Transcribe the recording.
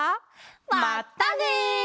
まったね！